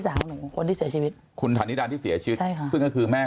สามหนึ่งคนที่เสียชีวิตคุณธันิดาที่เสียชีวิตซึ่งก็คือแม่